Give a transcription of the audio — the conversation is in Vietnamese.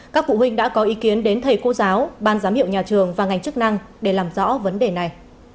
các phụ huynh đã có ý kiến đến thầy cô giáo ban giám hiệu nhà trường và ngành chức năng để làm rõ vấn đề này